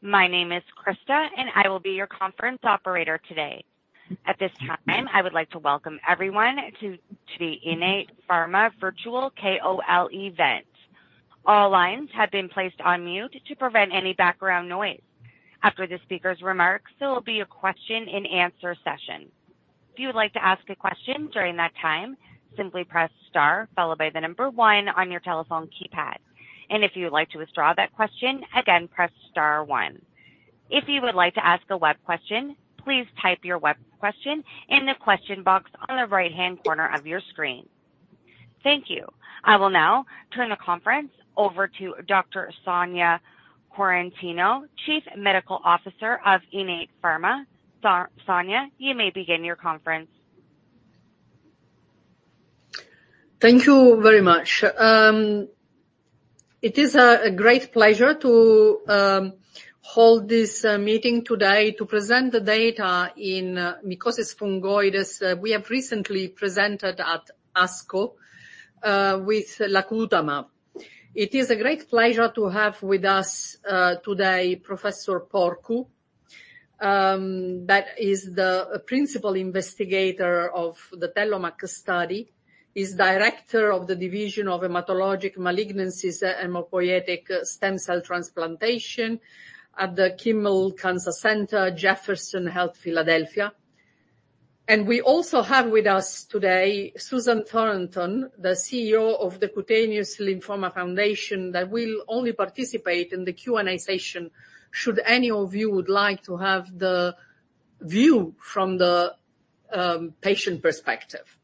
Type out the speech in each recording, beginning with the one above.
My name is Krista, and I will be your conference operator today. At this time, I would like to welcome everyone to the Innate Pharma Virtual KOL Event. All lines have been placed on mute to prevent any background noise. After the speaker's remarks, there will be a question and answer session. If you would like to ask a question during that time, simply press star followed by the number one on your telephone keypad. If you would like to withdraw that question, again, press star one. If you would like to ask a web question, please type your web question in the question box on the right-hand corner of your screen. Thank you. I will now turn the conference over to Dr. Sonia Quaratino, Chief Medical Officer of Innate Pharma. Sonia, you may begin your conference. Thank you very much. It is a great pleasure to hold this meeting today to present the data in Mycosis Fungoides. We have recently presented at ASCO with lacutamab. It is a great pleasure to have with us today Professor Porcu, that is the principal investigator of the TELLOMAK study, is director of the Division of Hematologic Malignancies and Hematopoietic Stem Cell Transplantation at the Sidney Kimmel Cancer Center, Jefferson Health, Philadelphia. And we also have with us today Susan Thornton, the CEO of the Cutaneous Lymphoma Foundation, that will only participate in the Q&A session, should any of you would like to have the view from the patient perspective.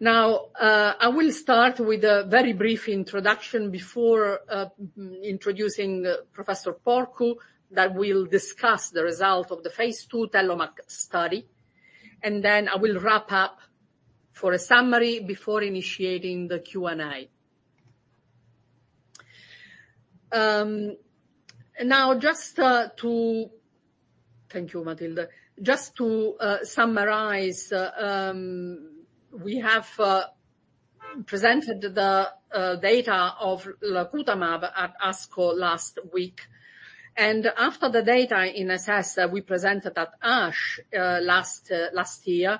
Now, I will start with a very brief introduction before introducing Professor Porcu, that we'll discuss the result of the phase II TELLOMAK study, and then I will wrap up for a summary before initiating the Q&A. Thank you, Matilda. Just to summarize, we have presented the data of lacutamab at ASCO last week, and after the data at ASCO that we presented at ASH last year.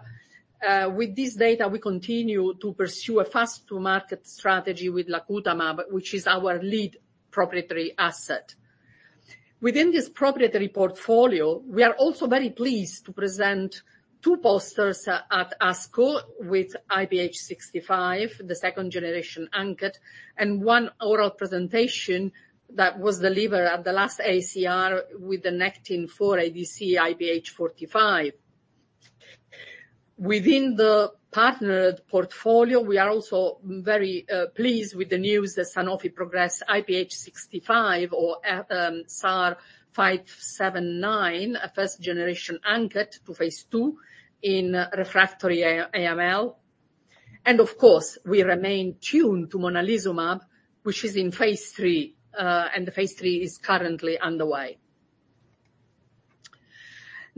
With this data, we continue to pursue a fast-to-market strategy with lacutamab, which is our lead proprietary asset. Within this proprietary portfolio, we are also very pleased to present two posters at ASCO with IPH65, the second-generation ANKET, and one oral presentation that was delivered at the last AACR with the Nectin-4 ADC IPH45. Within the partnered portfolio, we are also very pleased with the news that Sanofi progressed IPH65 or SAR 579, a first-generation ANKET to phase II in refractory AML. Of course, we remain tuned to monalizumab, which is in phase III, and the phase III is currently underway.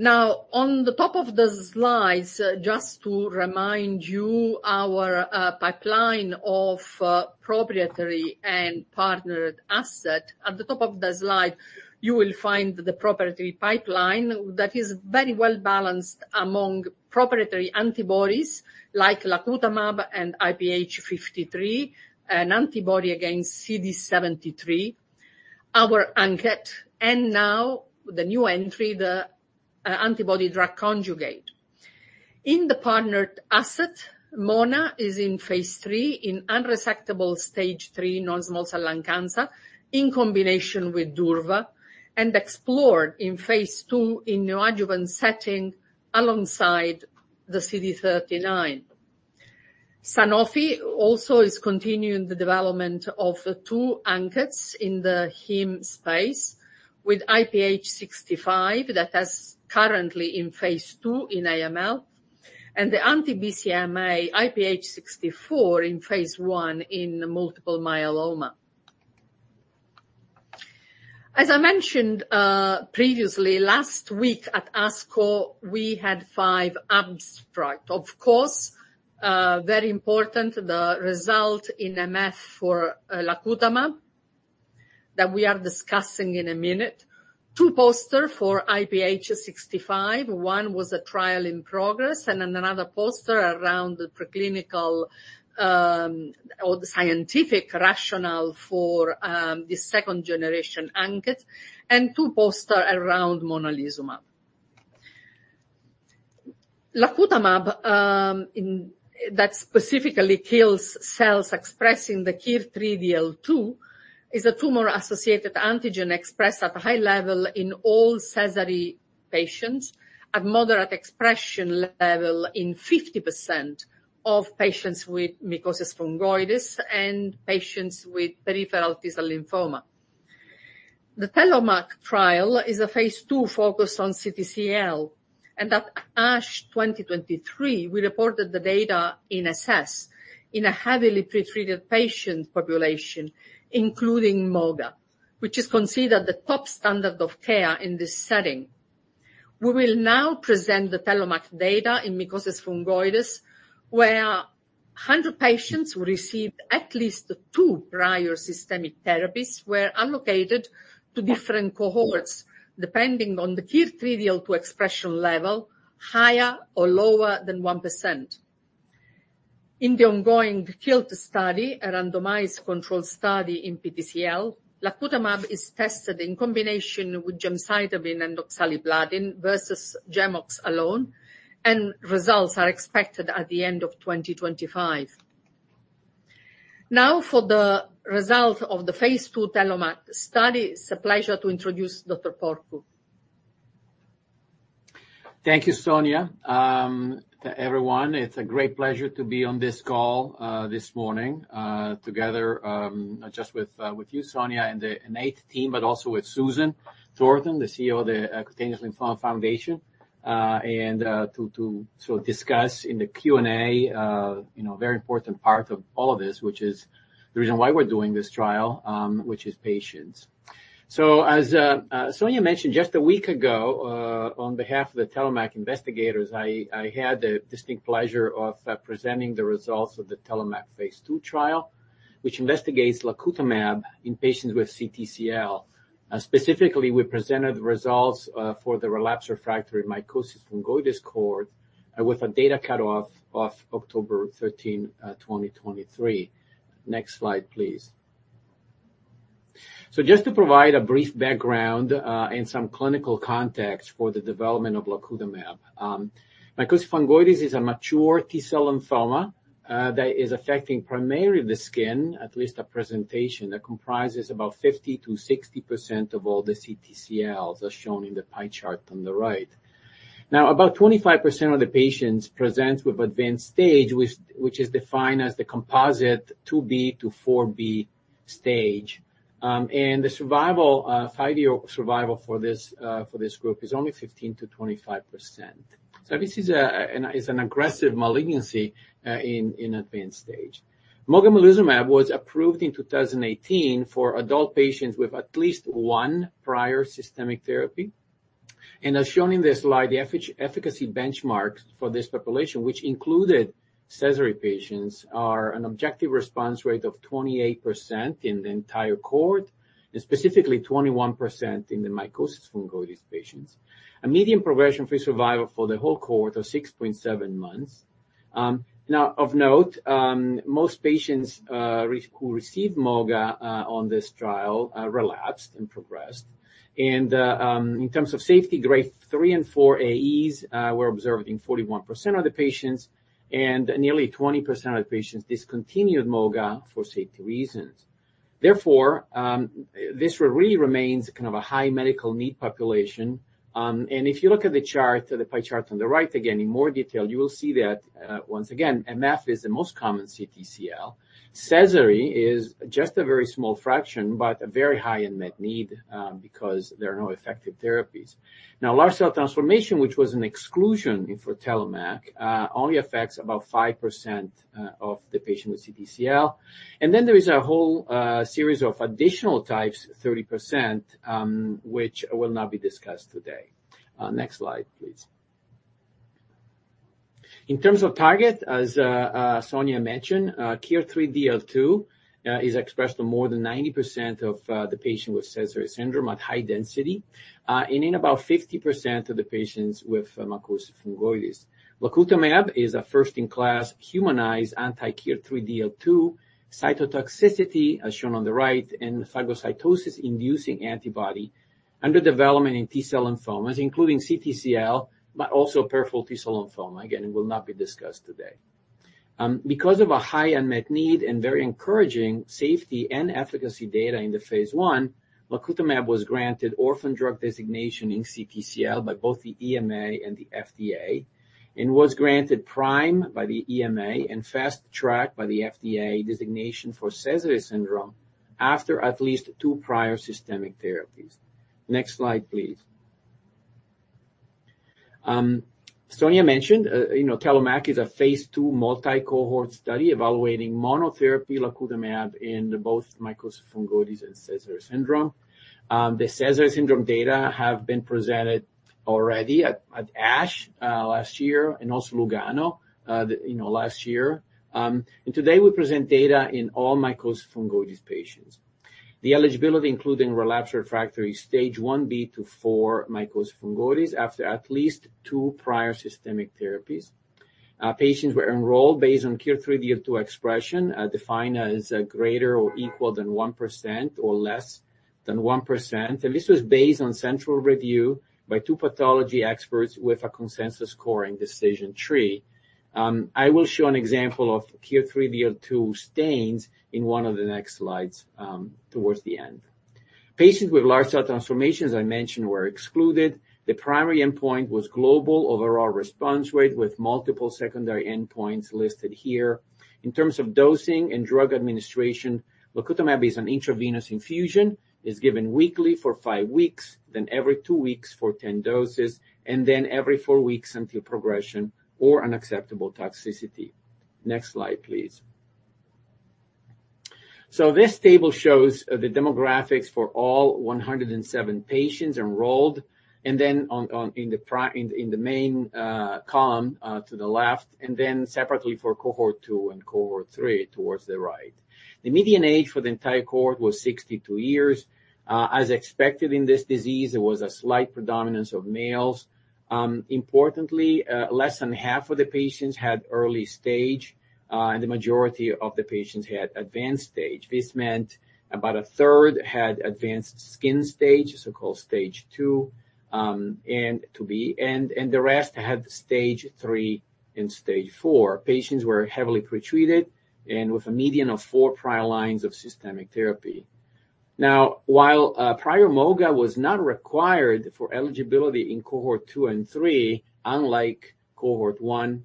Now, on the top of the slides, just to remind you, our pipeline of proprietary and partnered asset. At the top of the slide, you will find the proprietary pipeline that is very well-balanced among proprietary antibodies like lacutamab and IPH53, an antibody against CD73, our ANKET, and now the new entry, the antibody-drug conjugate. In the partnered asset, Mona is in phase III in unresectable stage 3 non-small cell lung cancer, in combination with Durva, and explored in phase II in neoadjuvant setting alongside the CD39. Sanofi also is continuing the development of two ANKETs in the heme space, with IPH65, that has currently in phase II in AML, and the anti-BCMA IPH64 in phase I in multiple myeloma. As I mentioned, previously, last week at ASCO, we had 5 abstracts. Of course, very important, the result in MF for lacutamab that we are discussing in a minute. Two posters for IPH65. One was a trial in progress, and another poster around the preclinical, or the scientific rationale for the second generation ANKET, and two posters around monalizumab. Lacutamab, that specifically kills cells expressing the KIR3DL2, is a tumor-associated antigen expressed at a high level in all Sézary patients, at moderate expression level in 50% of patients with mycosis fungoides, and patients with peripheral T-cell lymphoma. The TELLOMAK trial is a phase II focused on CTCL, and at ASH 2023, we reported the data in assessable in a heavily pretreated patient population, including moga, which is considered the top standard of care in this setting. We will now present the TELLOMAK data in mycosis fungoides, where 100 patients who received at least two prior systemic therapies were allocated to different cohorts, depending on the KIR3DL2 expression level, higher or lower than 1%. In the ongoing KILT study, a randomized controlled study in PTCL, lacutamab is tested in combination with gemcitabine and oxaliplatin versus GEM-OX alone, and results are expected at the end of 2025. Now, for the result of the phase II TELLOMAK study, it's a pleasure to introduce Dr. Porcu. Thank you, Sonia. To everyone, it's a great pleasure to be on this call this morning together, not just with you, Sonia, and the Innate team, but also with Susan Thornton, the CEO of the Cutaneous Lymphoma Foundation, and to sort of discuss in the Q&A you know, very important part of all of this, which is the reason why we're doing this trial, which is patients. So as Sonia mentioned just a week ago, on behalf of the TELLOMAK investigators, I had the distinct pleasure of presenting the results of the TELLOMAK phase II trial, which investigates lacutamab in patients with CTCL. Specifically, we presented the results for the relapse refractory mycosis fungoides cohort with a data cutoff of October 13, 2023. Next slide, please. So just to provide a brief background, and some clinical context for the development of lacutamab. Mycosis fungoides is a mature T-cell lymphoma, that is affecting primarily the skin, at least a presentation, that comprises about 50%-60% of all the CTCLs, as shown in the pie chart on the right. Now, about 25% of the patients present with advanced stage, which is defined as the composite 2B to 4B stage. And the survival, five-year survival for this, for this group is only 15%-25%. So this is an aggressive malignancy, in advanced stage. mogamulizumab was approved in 2018 for adult patients with at least one prior systemic therapy. As shown in this slide, the efficacy benchmarks for this population, which included Sézary patients, are an objective response rate of 28% in the entire cohort and specifically 21% in the mycosis fungoides patients. A median progression-free survival for the whole cohort of 6.7 months. Now, of note, most patients who received moga on this trial relapsed and progressed. And in terms of safety, grade three and four AEs were observed in 41% of the patients, and nearly 20% of the patients discontinued moga for safety reasons. Therefore, this really remains kind of a high medical need population. And if you look at the chart, the pie chart on the right, again, in more detail, you will see that, once again, MF is the most common CTCL. Sézary is just a very small fraction, but a very high unmet need, because there are no effective therapies. Now, large cell transformation, which was an exclusion for TELLOMAK, only affects about 5%, of the patient with CTCL. Then there is a whole series of additional types, 30%, which will not be discussed today. Next slide, please. In terms of target, as Sonia mentioned, KIR3DL2 is expressed in more than 90% of the patient with Sézary syndrome at high density, and in about 50% of the patients with mycosis fungoides. Lacutamab is a first-in-class, humanized, anti-KIR3DL2 cytotoxicity, as shown on the right, and phagocytosis-inducing antibody under development in T-cell lymphomas, including CTCL, but also peripheral T-cell lymphoma. Again, it will not be discussed today. Because of a high unmet need and very encouraging safety and efficacy data in the phase I, lacutamab was granted orphan drug designation in CTCL by both the EMA and the FDA, and was granted PRIME by the EMA and Fast Track by the FDA designation for Sézary syndrome after at least two prior systemic therapies. Next slide, please. Sonia mentioned, you know, TELLOMAK is a phase II multi-cohort study evaluating monotherapy lacutamab in both mycosis fungoides and Sézary syndrome. The Sézary syndrome data have been presented already at ASH last year and also Lugano last year. And today we present data in all mycosis fungoides patients. The eligibility including relapsed refractory Stage 1B to 4 mycosis fungoides after at least two prior systemic therapies. Patients were enrolled based on KIR3DL2 expression, defined as a greater or equal than 1% or less than 1%. This was based on central review by two pathology experts with a consensus scoring decision tree. I will show an example of KIR3DL2 stains in one of the next slides, towards the end. Patients with large cell transformations, I mentioned, were excluded. The primary endpoint was global overall response rate, with multiple secondary endpoints listed here. In terms of dosing and drug administration, lacutamab is an intravenous infusion, is given weekly for five weeks, then every two weeks for 10 doses, and then every four weeks until progression or unacceptable toxicity. Next slide, please. So this table shows the demographics for all 107 patients enrolled, and then in the main column to the left, and then separately for cohort 2 and cohort 3 towards the right. The median age for the entire cohort was 62 years. As expected in this disease, there was a slight predominance of males. Importantly, less than half of the patients had early stage, and the majority of the patients had advanced stage. This meant about a third had advanced skin stage, so-called stage 2, and the rest had stage 3 and stage 4. Patients were heavily pretreated and with a median of 4 prior lines of systemic therapy. Now, while prior mogamulizumab was not required for eligibility in cohort 2 and 3, unlike cohort 1,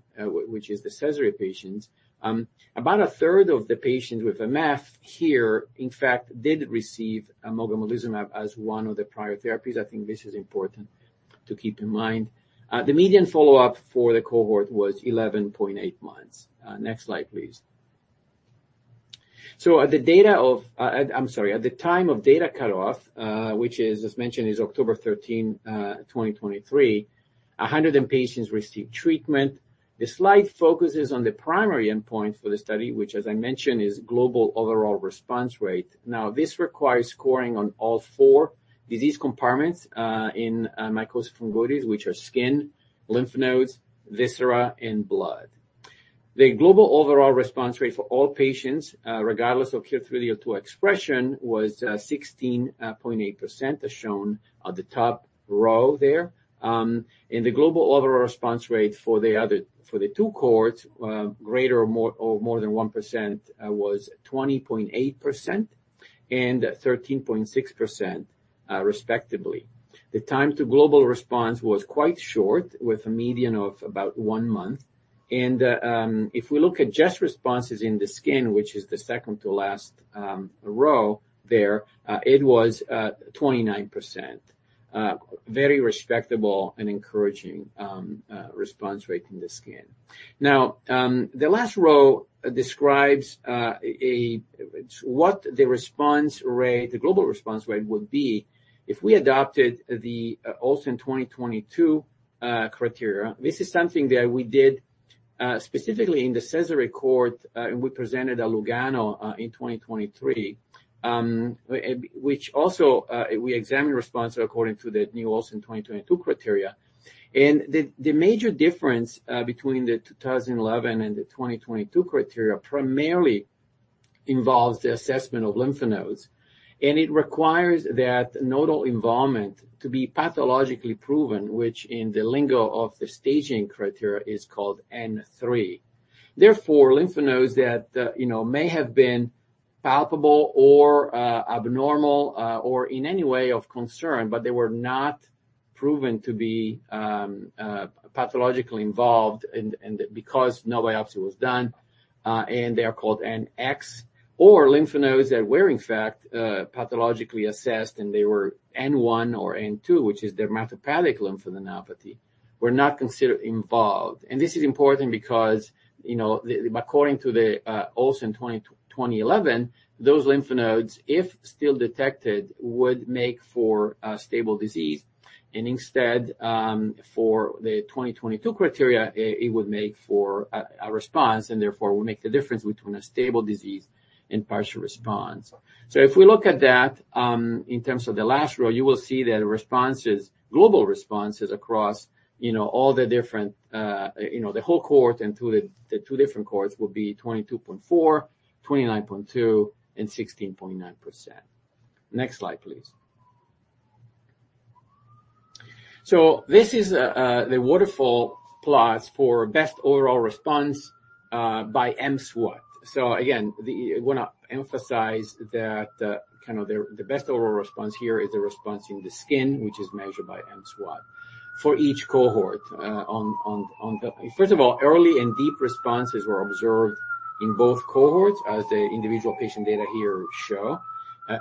which is the Sézary patients, about a third of the patients with MF here, in fact, did receive a mogamulizumab as one of the prior therapies. I think this is important to keep in mind. The median follow-up for the cohort was 11.8 months. Next slide, please. So at the... I'm sorry. At the time of data cutoff, which is, as mentioned, October 13, 2023, 100 patients received treatment. The slide focuses on the primary endpoint for the study, which, as I mentioned, is global overall response rate. Now, this requires scoring on all four disease compartments in mycosis fungoides, which are skin, lymph nodes, viscera, and blood. The global overall response rate for all patients, regardless of KIR3DL2 expression, was 16.8%, as shown at the top row there. And the global overall response rate for the two cohorts, greater or more, or more than 1%, was 20.8% and 13.6%, respectively. The time to global response was quite short, with a median of about 1 month. And if we look at just responses in the skin, which is the second to last row there, it was 29%. Very respectable and encouraging response rate in the skin. Now, the last row describes what the response rate, the global response rate would be if we adopted the Olsen 2022 criteria. This is something that we did, specifically in the Sézary cohort, and we presented at Lugano, in 2023, and which also, we examined response according to the new Olsen 2022 criteria. And the, the major difference, between the 2011 and the 2022 criteria primarily involves the assessment of lymph nodes, and it requires that nodal involvement to be pathologically proven, which in the lingo of the staging criteria, is called N3. Therefore, lymph nodes that, you know, may have been palpable or, abnormal, or in any way of concern, but they were not proven to be, pathologically involved and, and because no biopsy was done, and they are called NX. Or lymph nodes that were, in fact, pathologically assessed, and they were N1 or N2, which is the neoplastic lymph node activity, were not considered involved. And this is important because, you know, the- according to the Olsen 2011, those lymph nodes, if still detected, would make for a stable disease. And instead, for the 2022 criteria, it would make for a response and therefore would make the difference between a stable disease and partial response. So if we look at that, in terms of the last row, you will see that responses, global responses across, you know, all the different, you know, the whole cohort and to the two different cohorts will be 22.4%, 29.2%, and 16.9%. Next slide, please. So this is the waterfall plots for best overall response by mSWAT. So again, I wanna emphasize that, kind of, the best overall response here is the response in the skin, which is measured by mSWAT for each cohort. First of all, early and deep responses were observed in both cohorts as the individual patient data here show.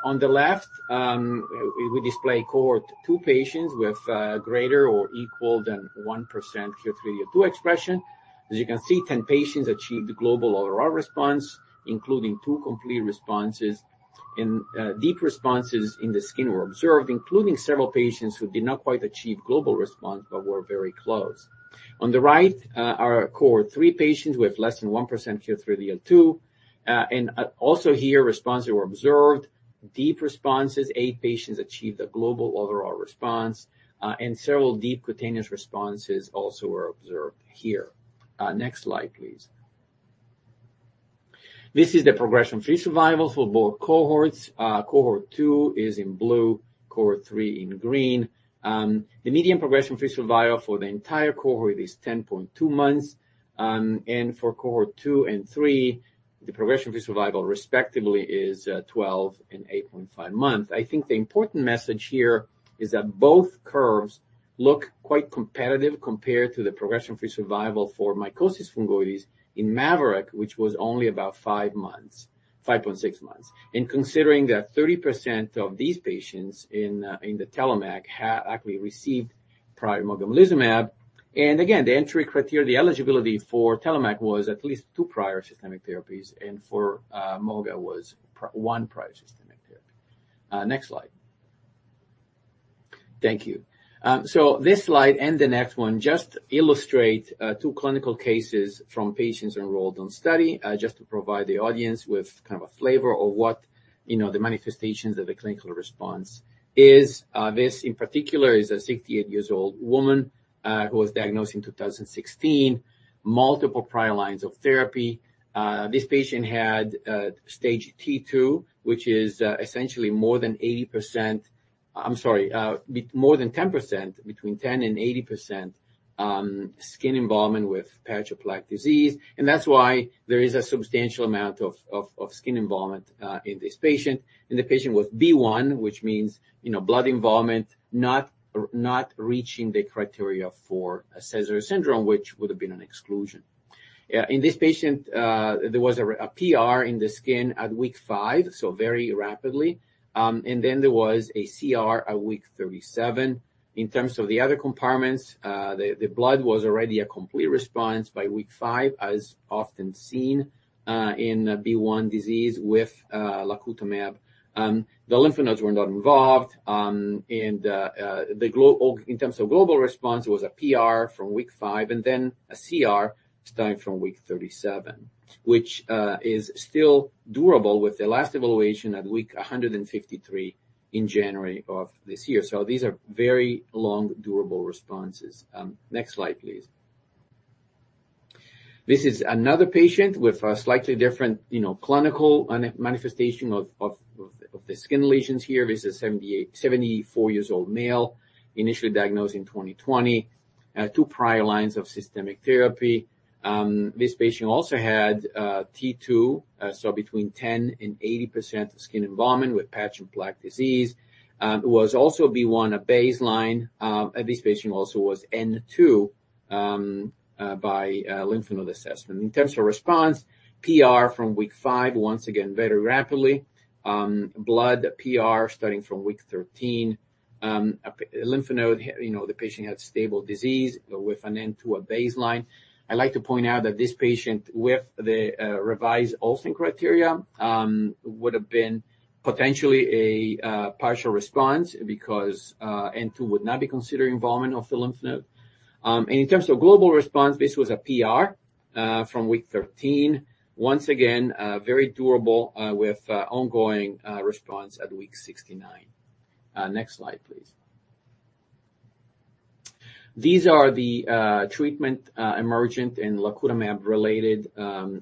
On the left, we display Cohort 2 patients with greater or equal than 1% KIR3DL2 expression. As you can see, 10 patients achieved global overall response, including 2 complete responses, and deep responses in the skin were observed, including several patients who did not quite achieve global response but were very close. On the right are Cohort 3 patients with less than 1% KIR3DL2. And also here, responses were observed, deep responses. Eight patients achieved a global overall response, and several deep cutaneous responses also were observed here. Next slide, please. This is the progression-free survival for both cohorts. Cohort 2 is in blue, cohort 3 in green. The median progression-free survival for the entire cohort is 10.2 months. And for cohort 2 and 3, the progression-free survival respectively is 12 and 8.5 months. I think the important message here is that both curves look quite competitive compared to the progression-free survival for mycosis fungoides in MAVORIC, which was only about 5 months, 5.6 months. And considering that 30% of these patients in the TELLOMAK had actually received prior mogamulizumab-... And again, the entry criteria, the eligibility for TELLOMAK was at least two prior systemic therapies, and for mogamulizumab was one prior systemic therapy. Next slide. Thank you. So this slide and the next one just illustrate two clinical cases from patients enrolled on study just to provide the audience with kind of a flavor of what, you know, the manifestations of the clinical response is. This, in particular, is a 68-year-old woman who was diagnosed in 2016, multiple prior lines of therapy. This patient had stage T2, which is essentially more than 10%, between 10% and 80%, skin involvement with patch of plaque disease. And that's why there is a substantial amount of skin involvement in this patient. The patient with B1, which means, you know, blood involvement, not reaching the criteria for a Sézary syndrome, which would have been an exclusion. In this patient, there was a PR in the skin at week 5, so very rapidly. And then there was a CR at week 37. In terms of the other compartments, the blood was already a complete response by week 5, as often seen, in a B1 disease with lacutamab. The lymph nodes were not involved. In terms of global response, it was a PR from week 5, and then a CR starting from week 37, which is still durable, with the last evaluation at week 153 in January of this year. So these are very long, durable responses. Next slide, please. This is another patient with a slightly different, you know, clinical manifestation of the skin lesions here. This is 74-years-old male, initially diagnosed in 2020. Two prior lines of systemic therapy. This patient also had T2, so between 10% and 80% skin involvement with patch and plaque disease, and was also B1 at baseline. And this patient also was N2 by lymph node assessment. In terms of response, PR from week 5, once again, very rapidly. Blood PR starting from week 13. A lymph node, you know, the patient had stable disease with an N2 at baseline. I'd like to point out that this patient, with the revised Olsen criteria, would have been potentially a partial response because N two would not be considered involvement of the lymph node. And in terms of global response, this was a PR from week 13. Once again, very durable, with ongoing response at week 69. Next slide, please. These are the treatment emergent and lacutamab-related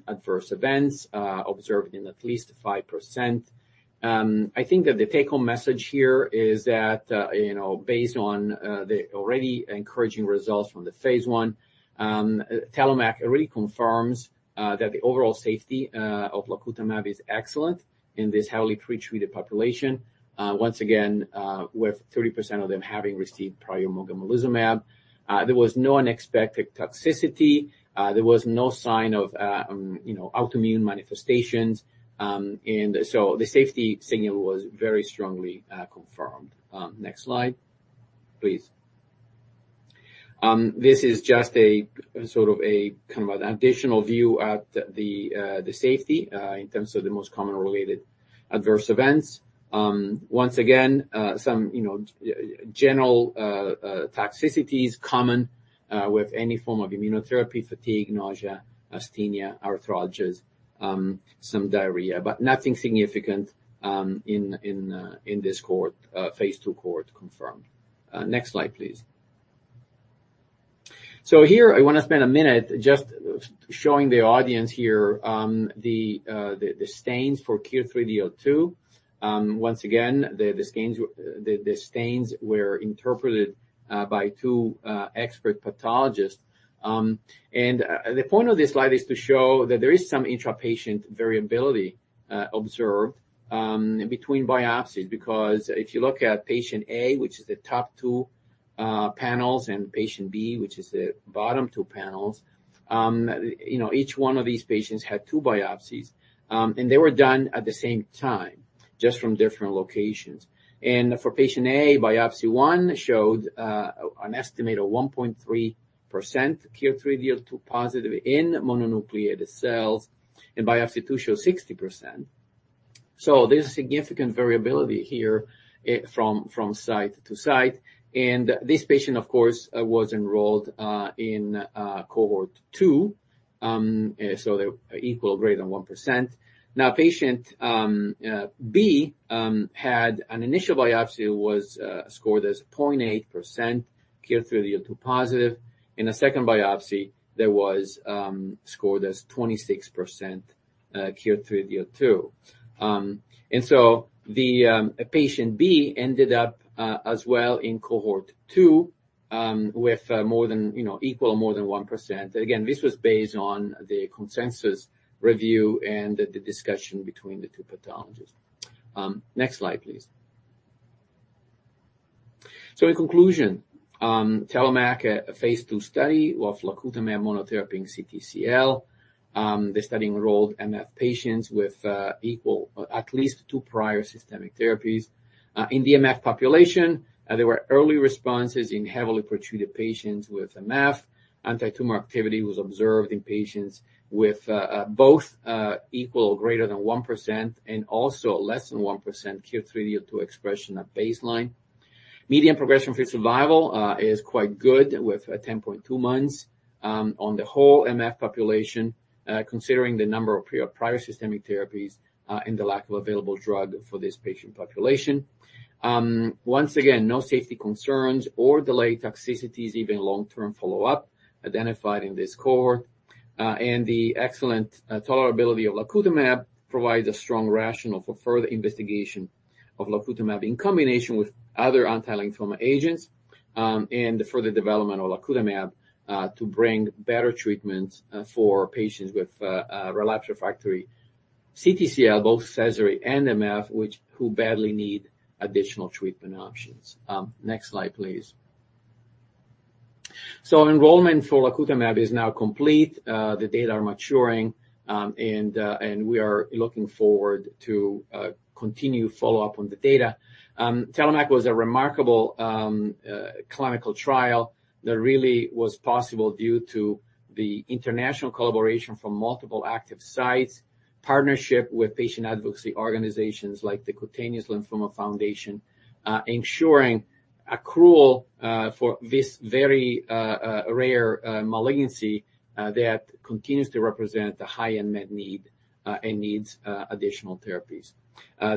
adverse events observed in at least 5%. I think that the take-home message here is that, you know, based on the already encouraging results from the phase I, TELLOMAK really confirms that the overall safety of lacutamab is excellent in this heavily pretreated population. Once again, with 30% of them having received prior mogamulizumab. There was no unexpected toxicity. There was no sign of, you know, autoimmune manifestations. And so the safety signal was very strongly confirmed. Next slide, please. This is just a sort of a kind of an additional view at the safety in terms of the most common related adverse events. Once again, some, you know, general toxicities common with any form of immunotherapy, fatigue, nausea, asthenia, arthralgias, some diarrhea, but nothing significant in this cohort, phase II cohort confirmed. Next slide, please. So here, I want to spend a minute just showing the audience here, the stains for KIR3DL2. Once again, the stains were interpreted by two expert pathologists. And the point of this slide is to show that there is some intrapatient variability observed between biopsies, because if you look at patient A, which is the top two panels, and patient B, which is the bottom two panels, you know, each one of these patients had two biopsies, and they were done at the same time, just from different locations. And for patient A, biopsy one showed an estimate of 1.3% KIR3DL2 positive in mononucleated cells, and biopsy two showed 60%. So there's significant variability here from site to site. And this patient, of course, was enrolled in cohort two, so they're equal or greater than 1%. Now, patient B had an initial biopsy was scored as 0.8% KIR3DL2 positive. In a second biopsy, there was scored as 26% KIR3DL2. And so the patient B ended up as well in cohort 2 with more than, you know, equal or more than 1%. Again, this was based on the consensus review and the discussion between the two pathologists. Next slide, please. So in conclusion, TELLOMAK, a phase II study of lacutamab monotherapy in CTCL. The study enrolled MF patients with at least two prior systemic therapies. In the MF population, there were early responses in heavily pretreated patients with MF. Antitumor activity was observed in patients with both equal or greater than 1% and also less than 1% KIR3DL2 expression at baseline. Median progression-free survival is quite good, with 10.2 months, on the whole MF population, considering the number of prior systemic therapies, and the lack of available drug for this patient population. Once again, no safety concerns or delayed toxicities, even long-term follow-up, identified in this cohort. And the excellent tolerability of lacutamab provides a strong rationale for further investigation of lacutamab in combination with other anti-lymphoma agents, and the further development of lacutamab, to bring better treatment for patients with relapsed refractory CTCL, both Sézary and MF, who badly need additional treatment options. Next slide, please. So enrollment for lacutamab is now complete. The data are maturing, and we are looking forward to continue follow-up on the data. TELLOMAK was a remarkable clinical trial that really was possible due to the international collaboration from multiple active sites, partnership with patient advocacy organizations like the Cutaneous Lymphoma Foundation, ensuring accrual for this very rare malignancy that continues to represent a high unmet need and needs additional therapies.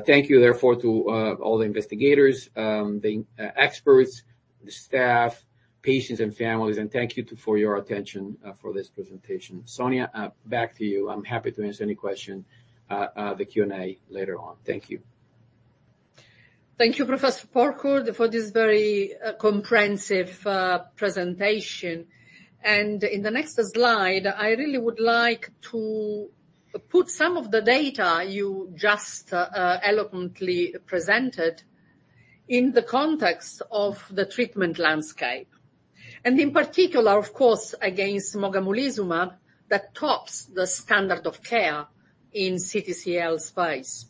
Thank you, therefore, to all the investigators, the experts, the staff, patients, and families, and thank you to for your attention for this presentation. Sonia, back to you. I'm happy to answer any question the Q&A later on. Thank you. Thank you, Professor Porcu, for this very comprehensive presentation. In the next slide, I really would like to put some of the data you just eloquently presented in the context of the treatment landscape, and in particular, of course, against mogamulizumab, that tops the standard of care in CTCL space.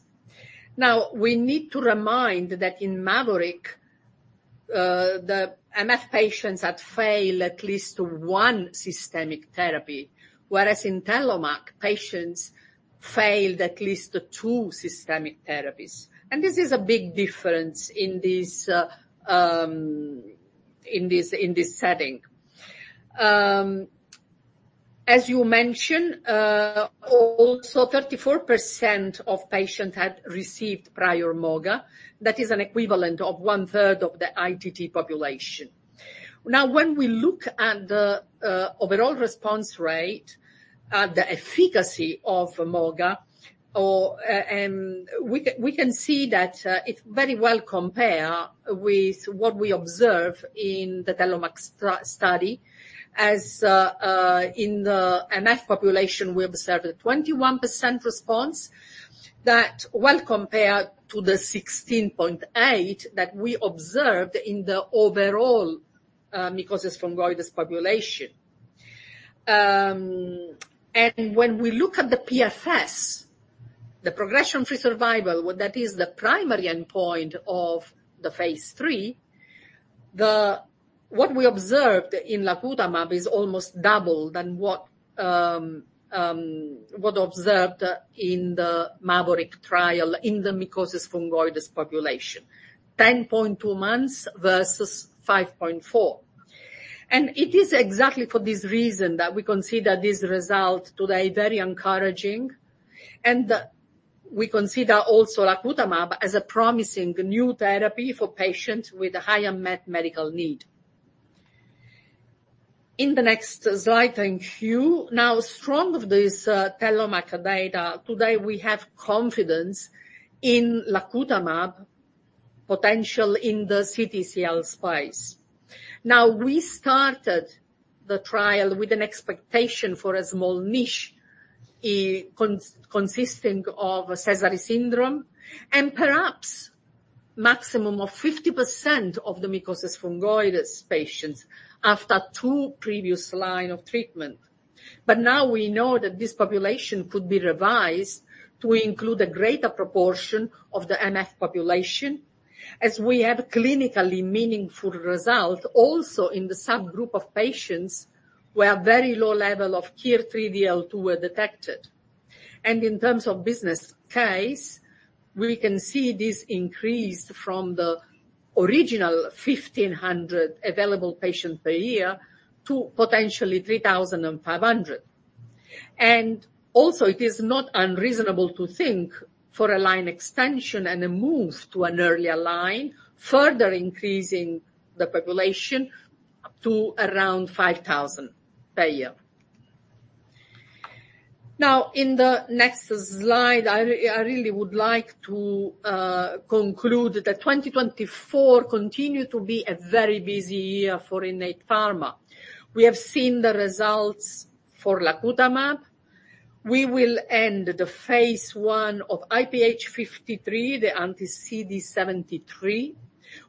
Now, we need to remind that in MAVORIC, the MF patients had failed at least one systemic therapy, whereas in TELLOMAK, patients failed at least two systemic therapies. This is a big difference in this setting. As you mentioned, also, 34% of patients had received prior moga. That is an equivalent of one third of the ITT population. Now, when we look at the overall response rate, the efficacy of mogamulizumab, and we can see that it very well compare with what we observe in the TELLOMAK study, as in the MF population, we observed a 21% response. That well compared to the 16.8 that we observed in the overall mycosis fungoides population. And when we look at the PFS, the progression-free survival, well, that is the primary endpoint of the phase III. What we observed in lacutamab is almost double than what observed in the MAVORIC trial in the mycosis fungoides population, 10.2 months versus 5.4. It is exactly for this reason that we consider this result today very encouraging, and we consider also lacutamab as a promising new therapy for patients with a high unmet medical need. In the next slide, thank you. Now, strong of this, TELLOMAK data, today, we have confidence in lacutamab potential in the CTCL space. Now, we started the trial with an expectation for a small niche, consisting of a Sézary syndrome and perhaps maximum of 50% of the mycosis fungoides patients after two previous lines of treatment. But now we know that this population could be revised to include a greater proportion of the MF population, as we have clinically meaningful results also in the subgroup of patients where very low levels of KIR3DL2 were detected. In terms of business case, we can see this increase from the original 1,500 available patients per year to potentially 3,500. Also, it is not unreasonable to think for a line extension and a move to an earlier line, further increasing the population to around 5,000 per year. Now, in the next slide, I really would like to conclude that 2024 continued to be a very busy year for Innate Pharma. We have seen the results for lacutamab. We will end the phase I of IPH-53, the anti-CD73.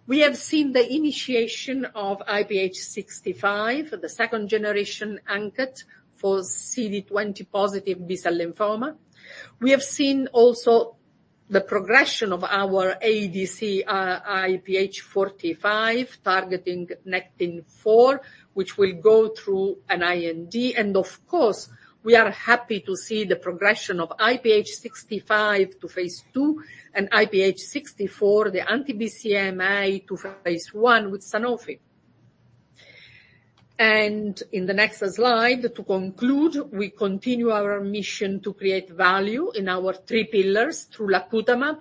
We have seen the initiation of IPH-65, the second-generation ANKET for CD20-positive B-cell lymphoma. We have seen also the progression of our ADC, IPH45, targeting Nectin-4, which will go through an IND, and of course, we are happy to see the progression of IPH65 to phase II and IPH64, the anti-BCMA, to phase I with Sanofi. And in the next slide, to conclude, we continue our mission to create value in our three pillars through lacutamab,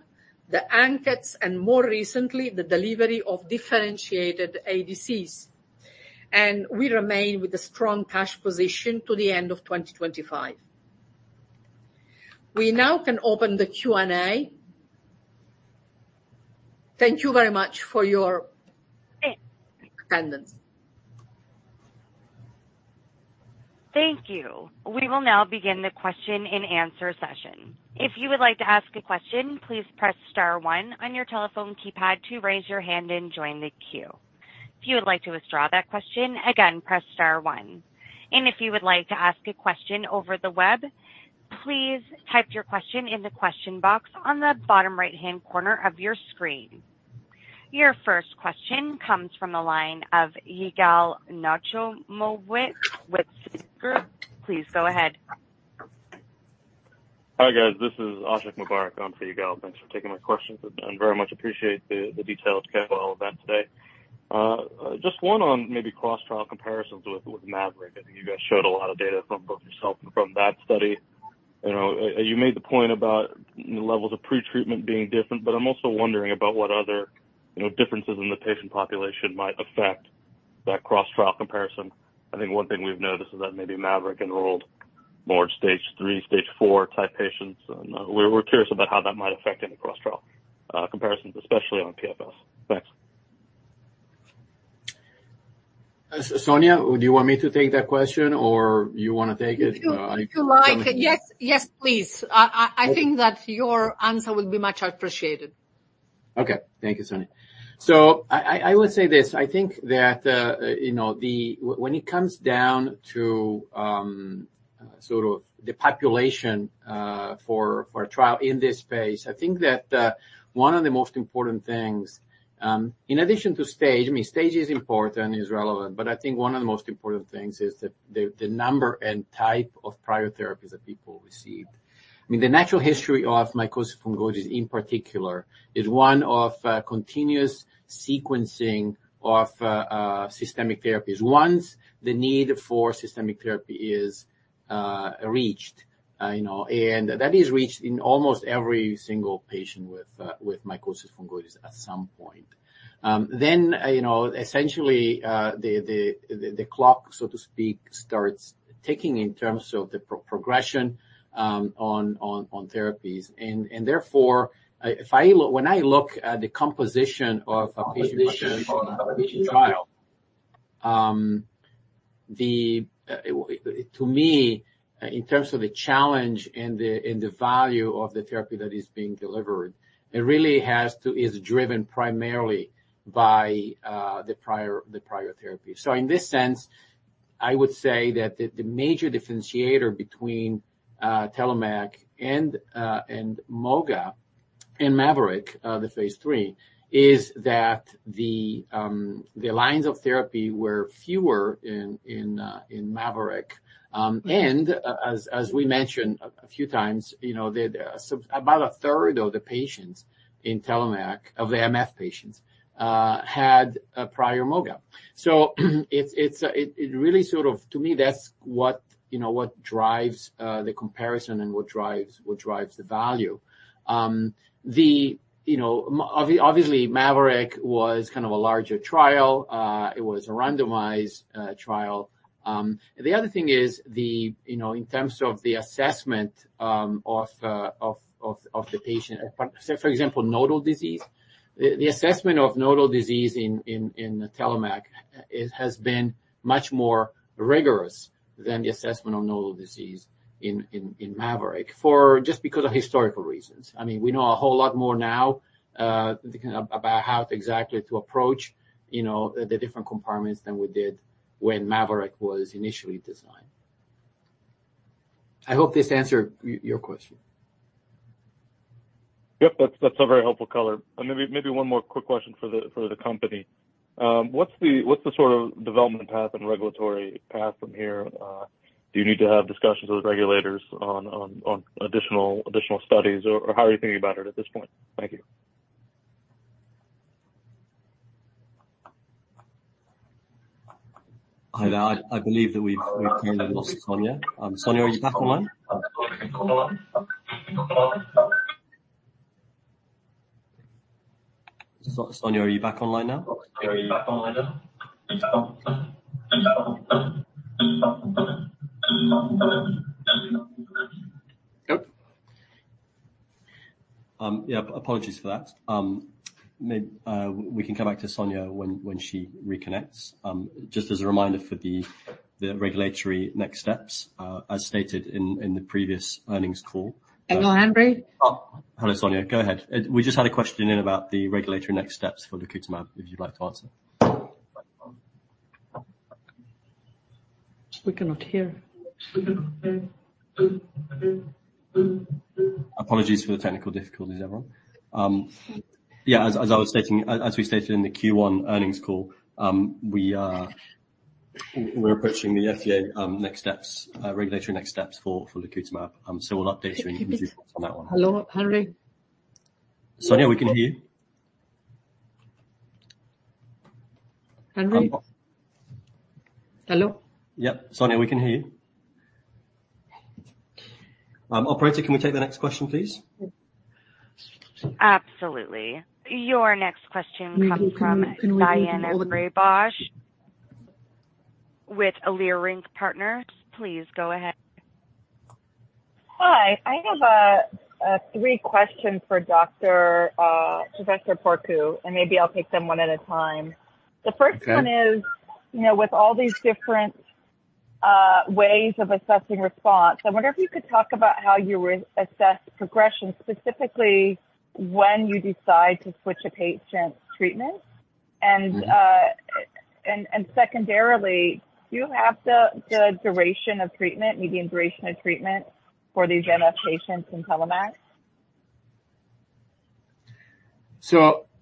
the ANKETs, and more recently, the delivery of differentiated ADCs. And we remain with a strong cash position to the end of 2025. We now can open the Q&A. Thank you very much for your attendance. Thank you. We will now begin the question-and-answer session. If you would like to ask a question, please press star one on your telephone keypad to raise your hand and join the queue. If you would like to withdraw that question, again, press star one. And if you would like to ask a question over the web, please type your question in the question box on the bottom right-hand corner of your screen. Your first question comes from the line of Yigal Nochomovitz with Citigroup. Please go ahead. Hi, guys. This is Ashiq Mubarack on for Yigal. Thanks for taking my questions, and very much appreciate the detailed schedule of that today. Just one on maybe cross-trial comparisons with MAVORIC. I think you guys showed a lot of data from both yourself and from that study. You know, you made the point about levels of pretreatment being different, but I'm also wondering about what other, you know, differences in the patient population might affect that cross-trial comparison. I think one thing we've noticed is that maybe MAVORIC enrolled more stage 3, stage 4 type patients, and we're curious about how that might affect any cross-trial comparisons, especially on PFS. Thanks. Sonia, do you want me to take that question, or you want to take it? If you like. Yes, yes, please. I think that your answer will be much appreciated. Okay. Thank you, Sonia. So I would say this: I think that, you know, when it comes down to sort of the population for a trial in this phase, I think that one of the most important things in addition to stage—I mean, stage is important, is relevant, but I think one of the most important things is the number and type of prior therapies that people received. I mean, the natural history of mycosis fungoides, in particular, is one of continuous sequencing of systemic therapies. Once the need for systemic therapy is reached, you know, and that is reached in almost every single patient with mycosis fungoides at some point. Then, you know, essentially, the clock, so to speak, starts ticking in terms of the progression on therapies. And therefore, when I look at the composition of a patient trial, to me, in terms of the challenge and the value of the therapy that is being delivered, it really is driven primarily by the prior therapy. So in this sense, I would say that the major differentiator between TELLOMAK and moga and MAVORIC, the phase III, is that the lines of therapy were fewer in MAVORIC. And as we mentioned a few times, you know, about a third of the patients in TELLOMAK, of the MF patients, had a prior moga. So it's really sort of, to me, that's what, you know, what drives the comparison and what drives the value. Obviously, MAVORIC was kind of a larger trial. It was a randomized trial. The other thing is, you know, in terms of the assessment of the patient, say, for example, nodal disease. The assessment of nodal disease in TELLOMAK has been much more rigorous than the assessment of nodal disease in MAVORIC, just because of historical reasons. I mean, we know a whole lot more now about how exactly to approach, you know, the different compartments than we did when MAVORIC was initially designed. I hope this answered your question. Yep, that's, that's a very helpful color. And maybe, maybe one more quick question for the company. What's the sort of development path and regulatory path from here? Do you need to have discussions with regulators on additional studies, or how are you thinking about it at this point? Thank you. Hi, there. I believe that we've lost Sonia. Sonia, are you back online? Sonia, are you back online now? Yep. Yeah, apologies for that. Maybe we can come back to Sonia when she reconnects. Just as a reminder for the regulatory next steps, as stated in the previous earnings call- Hello, Henry? Oh, hello, Sonia. Go ahead. We just had a question in about the regulatory next steps for lacutamab, if you'd like to answer. We cannot hear. Apologies for the technical difficulties, everyone. Yeah, as I was stating, as we stated in the Q1 earnings call, we're approaching the FDA next steps, regulatory next steps for lacutamab. So we'll update you on that one. Hello, Henry? Sonia, we can hear you. Henry? Hello. Yeah, Sonia, we can hear you. Operator, can we take the next question, please? Absolutely. Your next question comes from Daina Graybosch with Leerink Partners. Please go ahead. Hi. I have three questions for Doctor Professor Porcu, and maybe I'll take them one at a time. Okay. The first one is, you know, with all these different ways of assessing response, I wonder if you could talk about how you reassess progression, specifically when you decide to switch a patient's treatment. Mm-hmm. Secondarily, do you have the duration of treatment, maybe the duration of treatment for these MF patients in TELLOMAK?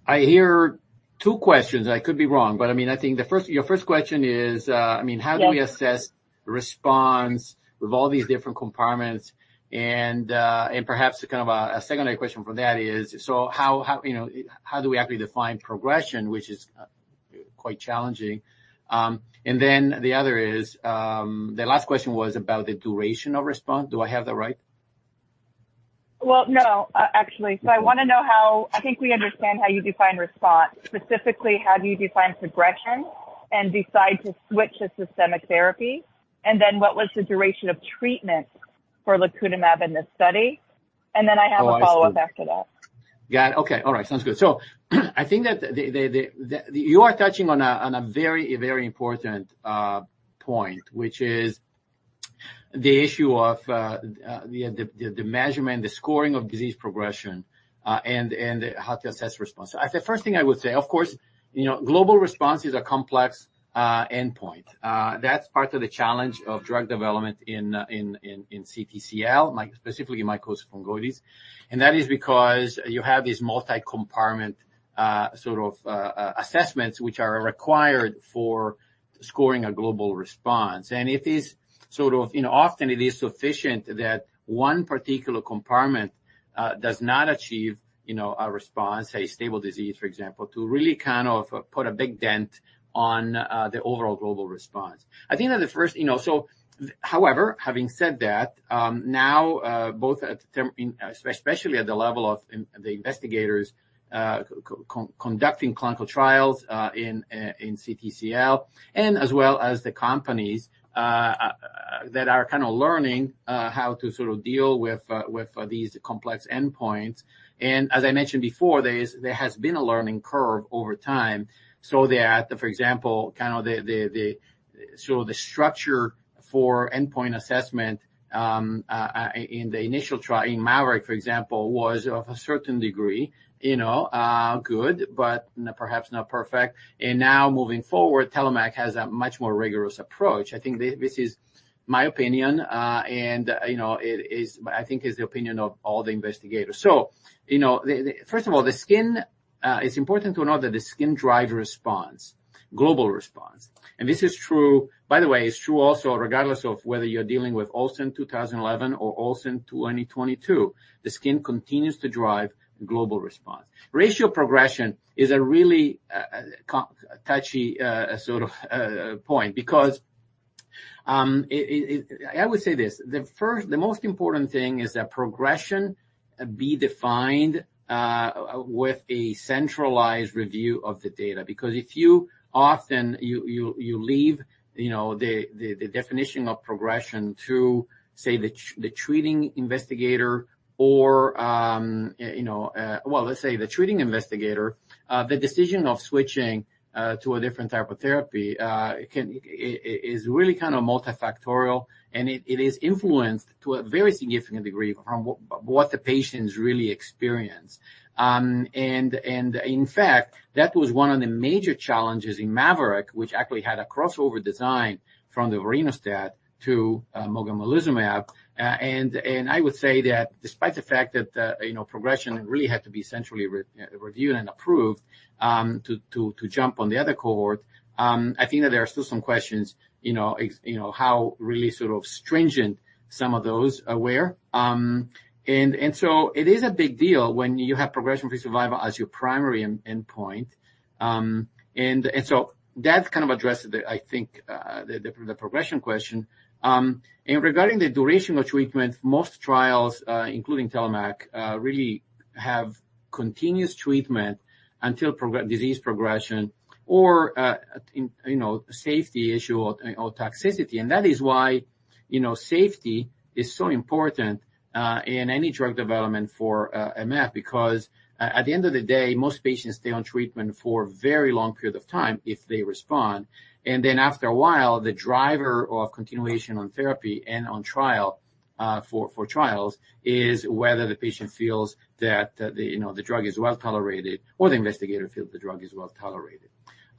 I hear two questions. I could be wrong, but I mean, I think your first question is, I mean- Yes. How do we assess response with all these different compartments? And, and perhaps kind of a secondary question from that is, so how you know how do we actually define progression, which is quite challenging. And then the other is, the last question was about the duration of response. Do I have that right? Well, no, actually. So I want to know how... I think we understand how you define response. Specifically, how do you define progression and decide to switch to systemic therapy? And then what was the duration of treatment for lacutamab in this study? And then I have a follow-up after that. Got it. Okay. All right, sounds good. So, I think that you are touching on a very important point, which is the issue of the measurement, the scoring of disease progression, and how to assess response. The first thing I would say, of course, you know, global response is a complex endpoint. That's part of the challenge of drug development in CTCL, specifically in mycosis fungoides. And that is because you have these multi-compartment sort of assessments, which are required for scoring a global response. It is sort of, you know, often it is sufficient that one particular compartment does not achieve, you know, a response, a stable disease, for example, to really kind of put a big dent on the overall global response. I think that the first, you know. So however, having said that, now both in terms, especially at the level of the investigators conducting clinical trials in CTCL, and as well as the companies that are kind of learning how to sort of deal with these complex endpoints. As I mentioned before, there has been a learning curve over time. So that, for example, kind of the so the structure for endpoint assessment in the initial trial, in MAVORIC, for example, was of a certain degree, you know, good, but perhaps not perfect. And now, moving forward, TELLOMAK has a much more rigorous approach. I think this is my opinion, and, you know, it is, I think it's the opinion of all the investigators. So, you know, first of all, the skin, it's important to note that the skin drives response, global response. And this is true, by the way, it's true also, regardless of whether you're dealing with Olsen 2011 or Olsen 2022, the skin continues to drive global response. Radiographic progression is a really touchy sort of point, because it... I would say this: the first, the most important thing is that progression be defined with a centralized review of the data, because if you often leave, you know, the definition of progression to, say, the treating investigator or, you know, well, let's say the treating investigator, the decision of switching to a different type of therapy can is really kind of multifactorial, and it is influenced to a very significant degree from what the patients really experience. And in fact, that was one of the major challenges in MAVORIC, which actually had a crossover design from the vorinostat to mogamulizumab. And I would say that despite the fact that, you know, progression really had to be centrally reviewed and approved, to jump on the other cohort, I think that there are still some questions, you know, you know, how really sort of stringent some of those were. So it is a big deal when you have progression-free survival as your primary endpoint. So that kind of addresses the, I think, the progression question. And regarding the duration of treatment, most trials, including TELLOMAK, really have continuous treatment until disease progression or, you know, safety issue or toxicity. And that is why, you know, safety is so important in any drug development for MF. Because at the end of the day, most patients stay on treatment for a very long period of time if they respond. And then after a while, the driver of continuation on therapy and on trial for trials is whether the patient feels that, you know, the drug is well-tolerated or the investigator feels the drug is well-tolerated.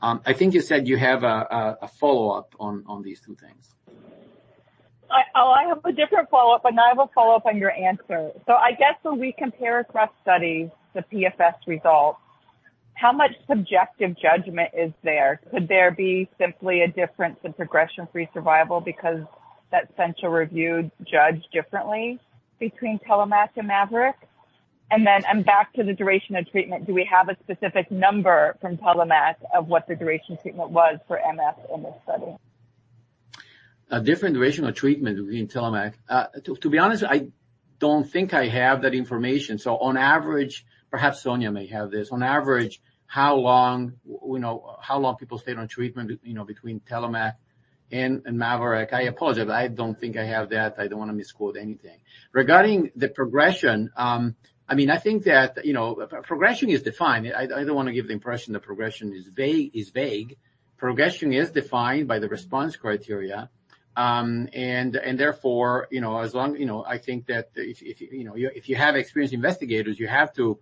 I think you said you have a follow-up on these two things. Oh, I have a different follow-up, and I have a follow-up on your answer. So I guess when we compare cross study, the PFS results, how much subjective judgment is there? Could there be simply a difference in progression-free survival because that central review judged differently between TELLOMAK and MAVORIC? And then, back to the duration of treatment, do we have a specific number from TELLOMAK of what the duration of treatment was for MF in this study? A different duration of treatment between TELLOMAK. To be honest, I don't think I have that information. So on average... perhaps Sonia may have this. On average, how long, you know, how long people stayed on treatment, you know, between TELLOMAK and MAVORIC? I apologize, but I don't think I have that. I don't want to misquote anything. Regarding the progression, I mean, I think that, you know, progression is defined. I don't want to give the impression that progression is vague, is vague. Progression is defined by the response criteria. And therefore, you know, as long... You know, I think that if, if, you know, if you have experienced investigators, you have to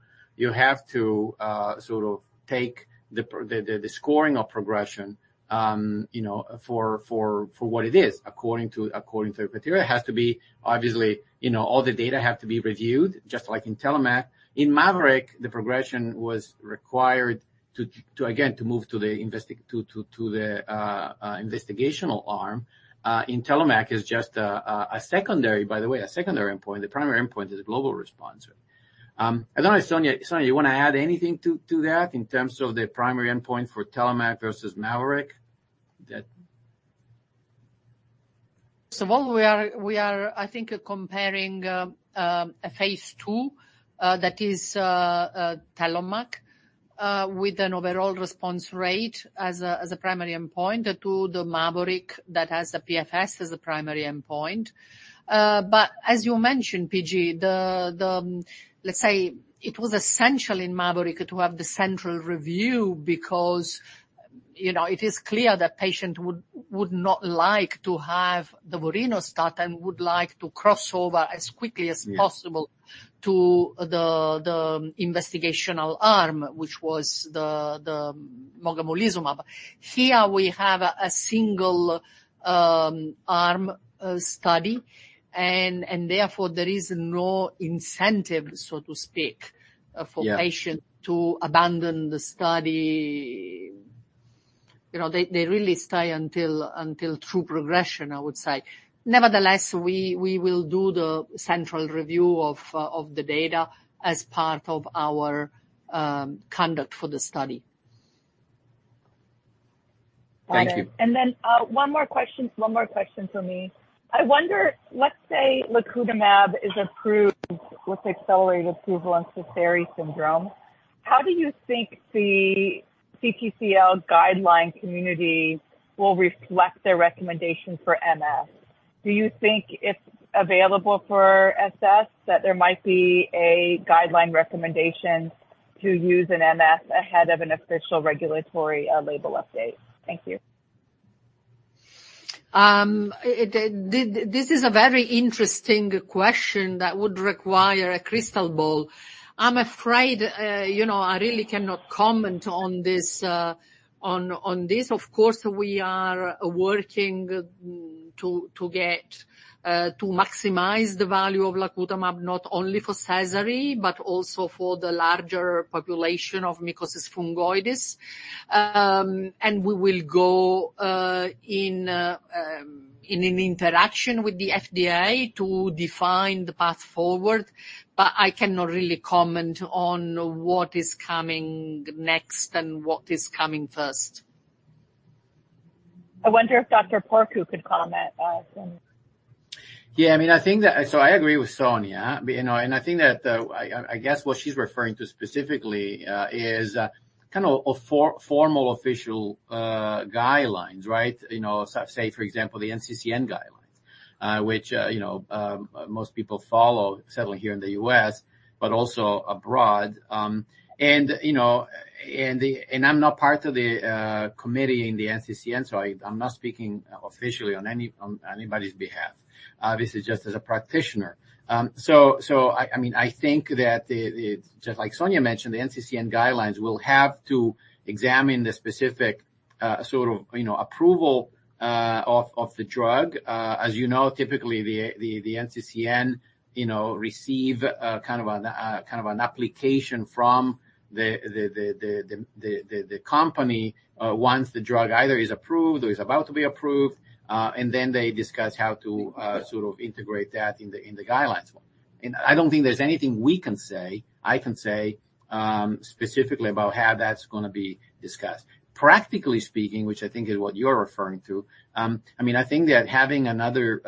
sort of take the the scoring of progression, you know, for what it is, according to the criteria. It has to be, obviously, you know, all the data have to be reviewed, just like in TELLOMAK. In MAVORIC, the progression was required to move to the investigational arm. In TELLOMAK, it's just a secondary, by the way, a secondary endpoint. The primary endpoint is a global responder. I don't know, Sonia, you want to add anything to that in terms of the primary endpoint for TELLOMAK versus MAVORIC? That- So what we are, I think, comparing a phase II that is TELLOMAK with an overall response rate as a primary endpoint to the MAVORIC that has the PFS as a primary endpoint. But as you mentioned, PG, the, let's say it was essential in MAVORIC to have the central review because, you know, it is clear that patient would not like to have the vorinostat and would like to cross over as quickly as possible to the investigational arm, which was the mogamulizumab. Here we have a single arm study, and therefore, there is no incentive, so to speak- Yeah. for patient to abandon the study. You know, they really stay until true progression, I would say. Nevertheless, we will do the central review of the data as part of our conduct for the study. Thank you. And then, one more question, one more question from me. I wonder, let's say lacutamab is approved with accelerated approval on Sézary syndrome. How do you think the CTCL guideline community will reflect their recommendation for MF? Do you think it's available for SS, that there might be a guideline recommendation to use an MF ahead of an official regulatory, label update? Thank you. This is a very interesting question that would require a crystal ball. I'm afraid, you know, I really cannot comment on this. Of course, we are working to get to maximize the value of lacutamab, not only for Sézary, but also for the larger population of mycosis fungoides. And we will go in an interaction with the FDA to define the path forward, but I cannot really comment on what is coming next and what is coming first. I wonder if Dr. Porcu could comment, then. Yeah, I mean, I think that... So I agree with Sonia. You know, and I think that, I guess what she's referring to specifically, is kind of a formal, official guidelines, right? You know, so, say, for example, the NCCN guidelines, which, you know, most people follow, certainly here in the U.S., but also abroad. And, you know, and I'm not part of the committee in the NCCN, so I'm not speaking officially on anybody's behalf, this is just as a practitioner. So, I mean, I think that the just like Sonia mentioned, the NCCN guidelines will have to examine the specific sort of, you know, approval of the drug. As you know, typically the NCCN, you know, receive kind of an application from the company, once the drug either is approved or is about to be approved, and then they discuss how to sort of integrate that in the guidelines. And I don't think there's anything we can say, I can say, specifically about how that's gonna be discussed. Practically speaking, which I think is what you're referring to, I mean, I think that having another,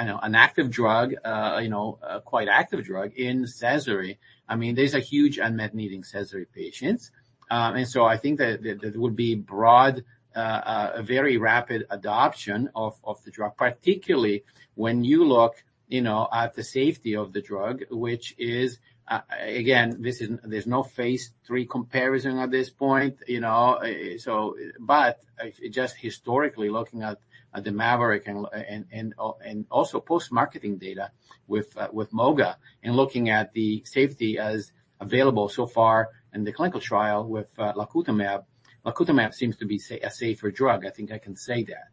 you know, an active drug, you know, a quite active drug in Sézary, I mean, there's a huge unmet need in Sézary patients. And so I think that there would be broad, a very rapid adoption of the drug, particularly when you look, you know, at the safety of the drug, which is, again, this is. There's no phase III comparison at this point, you know, so. But just historically, looking at the MAVORIC and also post-marketing data with moga and looking at the safety as available so far in the clinical trial with lacutamab, lacutamab seems to be a safer drug. I think I can say that.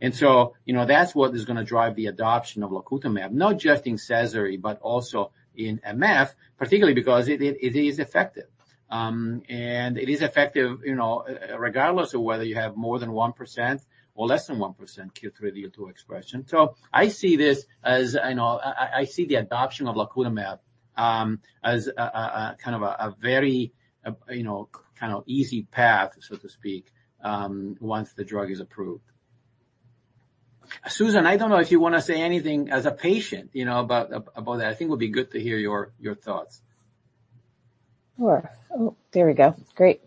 And so, you know, that's what is gonna drive the adoption of lacutamab, not just in Sézary, but also in MF, particularly because it is effective. And it is effective, you know, regardless of whether you have more than 1% or less than 1% KIR3DL2 expression. So I see this as, you know, I see the adoption of lacutamab as a kind of a very, you know, kind of easy path, so to speak, once the drug is approved. Susan, I don't know if you wanna say anything as a patient, you know, about that. I think it would be good to hear your thoughts. Sure. Oh, there we go. Great.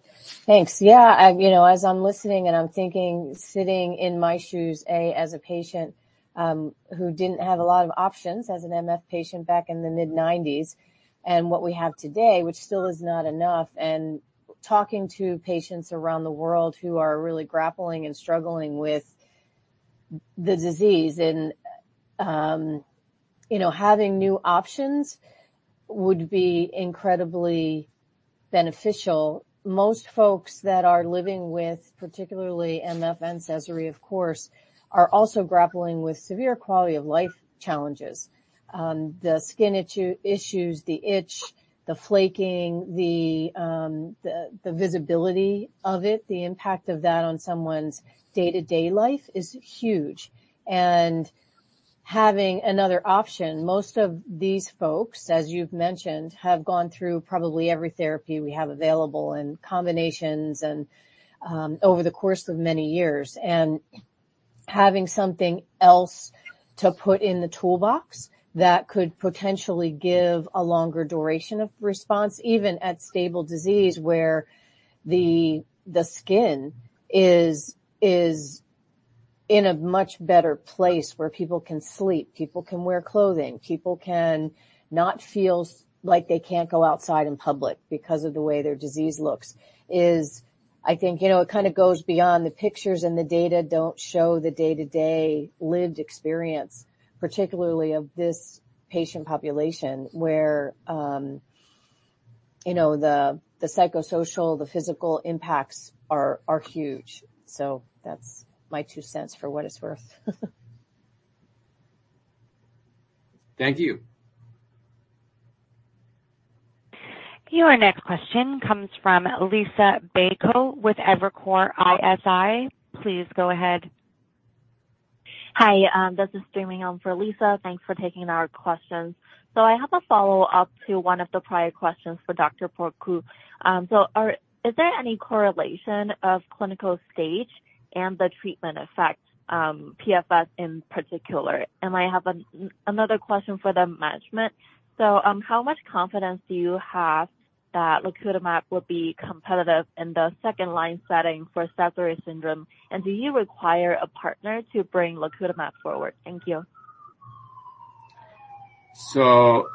Thanks. Yeah, you know, as I'm listening and I'm thinking, sitting in my shoes, as a patient, who didn't have a lot of options as an MF patient back in the mid-nineties, and what we have today, which still is not enough, and talking to patients around the world who are really grappling and struggling with the disease and, you know, having new options would be incredibly beneficial. Most folks that are living with, particularly MF and Sézary, of course, are also grappling with severe quality of life challenges. The skin issues, the itch, the flaking, the visibility of it, the impact of that on someone's day-to-day life is huge. Having another option, most of these folks, as you've mentioned, have gone through probably every therapy we have available and combinations and over the course of many years. Having something else to put in the toolbox that could potentially give a longer duration of response, even at stable disease, where the skin is in a much better place where people can sleep, people can wear clothing, people can not feel like they can't go outside in public because of the way their disease looks, is, I think, you know, it kinda goes beyond the pictures, and the data don't show the day-to-day lived experience, particularly of this patient population, where you know, the psychosocial, the physical impacts are huge. That's my two cents for what it's worth. Thank you. Your next question comes from Liisa Bayko with Evercore ISI. Please go ahead. Hi, this is streaming in for Liisa. Thanks for taking our questions. I have a follow-up to one of the prior questions for Dr. Porcu. Is there any correlation of clinical stage and the treatment effect, PFS in particular? And I have another question for the management. How much confidence do you have that lacutamab will be competitive in the second-line setting for Sézary syndrome? And do you require a partner to bring lacutamab forward? Thank you. So,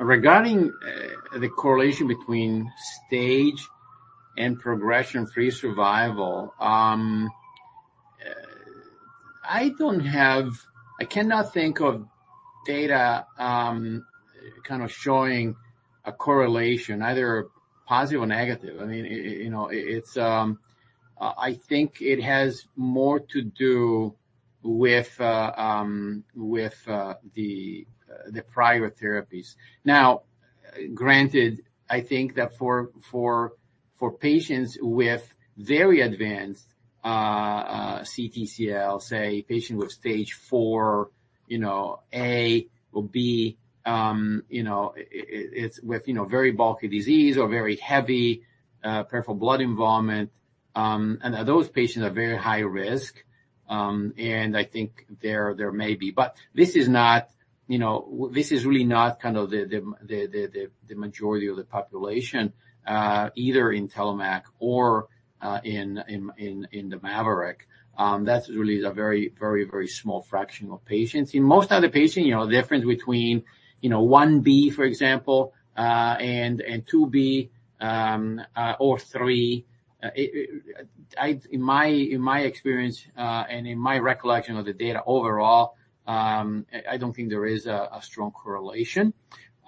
regarding the correlation between stage and progression-free survival, I don't have. I cannot think of data, kind of showing a correlation, either positive or negative. I mean, you know, it's, I think it has more to do with the prior therapies. Now, granted, I think that for patients with very advanced CTCL, say, a patient with stage 4, you know, A or B, you know, it, it's with very bulky disease or very heavy peripheral blood involvement, and those patients are very high risk, and I think there may be. But this is not, you know, this is really not kind of the majority of the population, either in TELLOMAK or in the MAVORIC. That's really a very, very, very small fraction of patients. In most other patients, you know, the difference between, you know, 1 B, for example, and 2 B or 3. In my experience and in my recollection of the data overall, I don't think there is a strong correlation.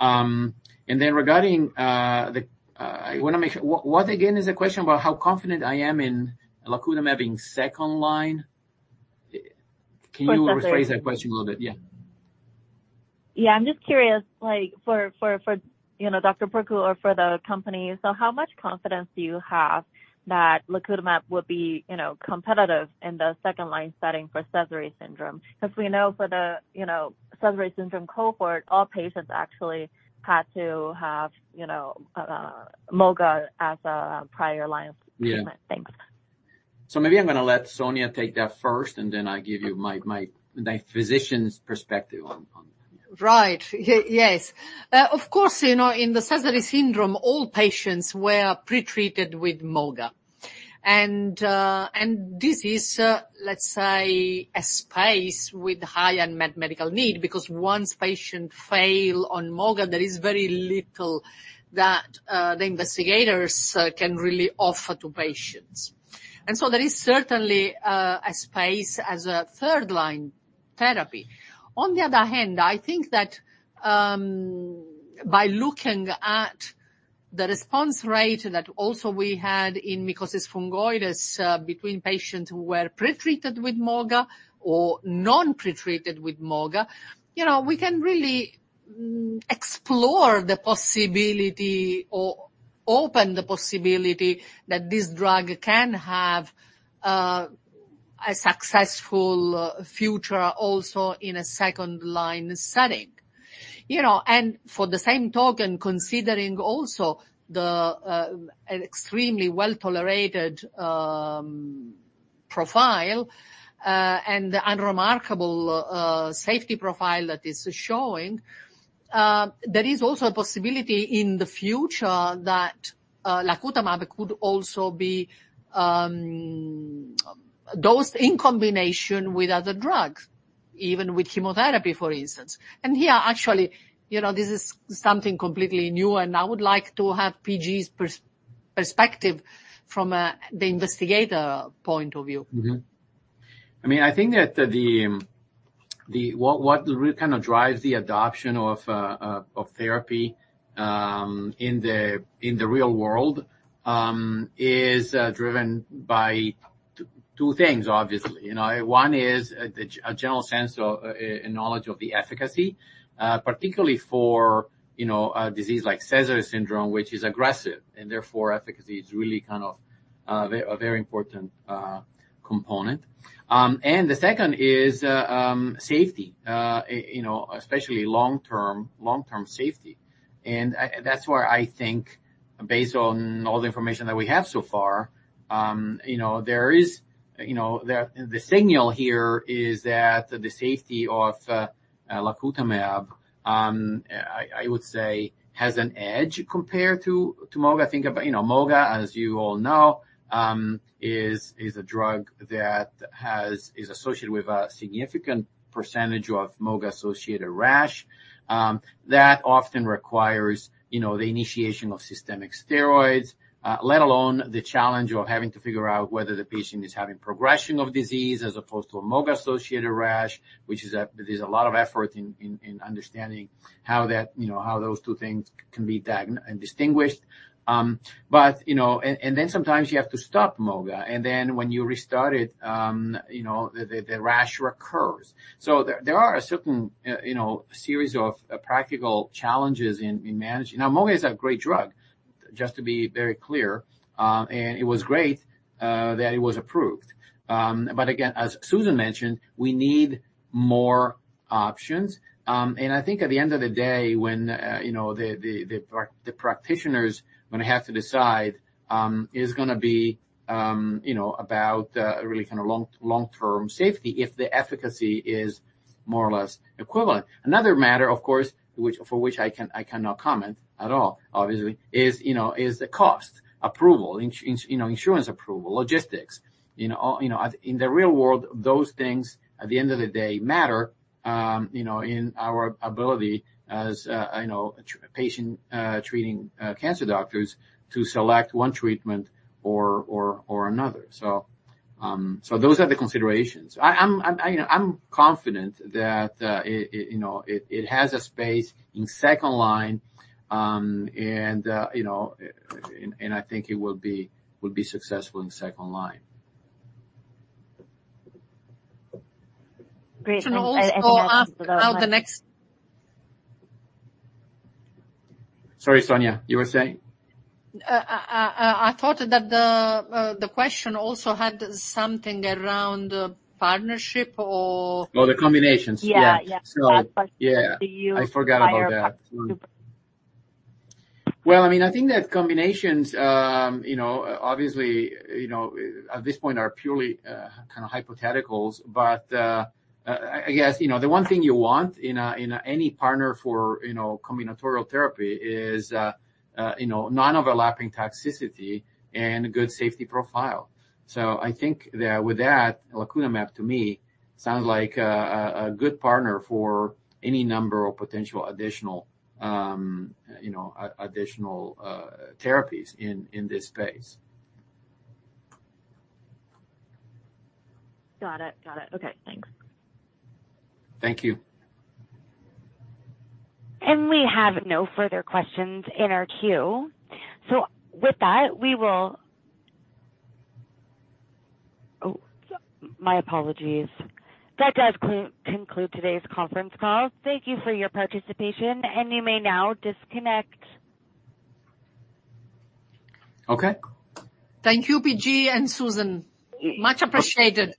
And then regarding the, I wanna make sure. What, again, is the question about how confident I am in lacutamab being second line? Yes, that there- Can you rephrase that question a little bit? Yeah. Yeah, I'm just curious, like, for you know, Dr. Porcu or for the company, so how much confidence do you have that lacutamab will be, you know, competitive in the second-line setting for Sézary syndrome? Because we know for the, you know, Sézary syndrome cohort, all patients actually had to have, you know, moga as a prior line of treatment. Yeah. Thanks. Maybe I'm gonna let Sonia take that first, and then I give you my physician's perspective on that. Right. Yes. Of course, you know, in the Sézary syndrome, all patients were pretreated with moga. And this is, let's say, a space with high unmet medical need, because once patient fail on moga, there is very little that the investigators can really offer to patients. And so there is certainly a space as a third-line therapy. On the other hand, I think that by looking at the response rate that also we had in mycosis fungoides, between patients who were pretreated with moga or non-pretreated with moga, you know, we can really explore the possibility or open the possibility that this drug can have a successful future also in a second-line setting. You know, and for the same token, considering also the, an extremely well-tolerated, profile, and the unremarkable, safety profile that is showing, there is also a possibility in the future that, lacutamab could also be, dosed in combination with other drugs, even with chemotherapy, for instance. And here, actually, you know, this is something completely new, and I would like to have PG's perspective from, the investigator point of view. Mm-hmm. I mean, I think that what really kinda drives the adoption of therapy in the real world is driven by two things, obviously. You know, one is a general sense of a knowledge of the efficacy, particularly for, you know, a disease like Sézary syndrome, which is aggressive, and therefore efficacy is really kind of a very important component. And the second is safety, you know, especially long-term safety. And that's where I think, based on all the information that we have so far, you know, there is the signal here is that the safety of lacutamab I would say has an edge compared to moga. Think about, you know, moga, as you all know, is, is a drug that has, is associated with a significant percentage of moga-associated rash, that often requires, you know, the initiation of systemic steroids, let alone the challenge of having to figure out whether the patient is having progression of disease as opposed to a moga-associated rash, which there's a lot of effort in understanding how that, you know, how those two things can be distinguished. But, you know, and then sometimes you have to stop moga, and then when you restart it, you know, the rash recurs. So there are a certain, you know, series of practical challenges in managing. Now, moga is a great drug, just to be very clear, and it was great that it was approved. But again, as Susan mentioned, we need more options. And I think at the end of the day, when you know, the practitioners are gonna have to decide, is gonna be you know, about really kind of long-term safety if the efficacy is more or less equivalent. Another matter, of course, which, for which I cannot comment at all, obviously, is you know, is the cost, approval, in you know, insurance approval, logistics. You know, all you know, in the real world, those things, at the end of the day, matter you know, in our ability as you know, patient treating cancer doctors to select one treatment or another. So those are the considerations. I'm confident that, you know, it has a space in second line, and you know, I think it will be successful in second line. Great. So also ask about the next- Sorry, Sonia, you were saying? I thought that the question also had something around partnership or- Oh, the combinations. Yeah, yeah. So- Partnership. Yeah, I forgot about that. Well, I mean, I think that combinations, you know, obviously, you know, at this point are purely kind of hypotheticals, but, I guess, you know, the one thing you want in any partner for, you know, combinatorial therapy is, you know, non-overlapping toxicity and a good safety profile. So I think that with that, lacutamab, to me, sounds like a good partner for any number of potential additional, you know, additional therapies in this space. Got it. Got it. Okay, thanks. Thank you. We have no further questions in our queue. So with that, we will... Oh, my apologies. That does conclude today's conference call. Thank you for your participation, and you may now disconnect. Okay. Thank you, PG and Susan. Much appreciated.